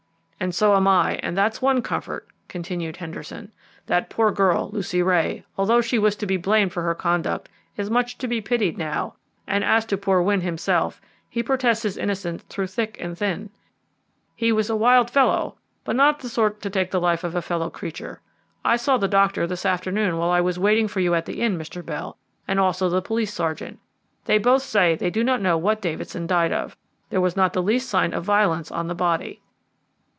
"And so am I, and that's one comfort," continued Henderson. "That poor girl, Lucy Ray, although she was to be blamed for her conduct, is much to be pitied now; and as to poor Wynne himself, he protests his innocence through thick and thin. He was a wild fellow, but not the sort to take the life of a fellow creature. I saw the doctor this afternoon while I was waiting for you at the inn, Mr. Bell, and also the police sergeant. They both say they do not know what Davidson died of. There was not the least sign of violence on the body."